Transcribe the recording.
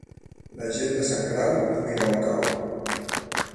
La gent de Sant Grau no mira on cau.